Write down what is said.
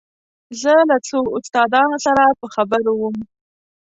زه له څو استادانو سره په خبرو وم.